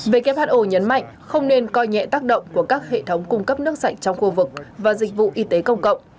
who nhấn mạnh không nên coi nhẹ tác động của các hệ thống cung cấp nước sạch trong khu vực và dịch vụ y tế công cộng